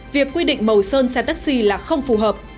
việc quy định màu sơn xe taxi là không phù hợp